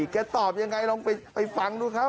ตอบยังไงลองไปฟังดูครับ